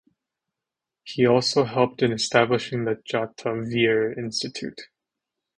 He also helped in establishing the Jatav Veer Institute.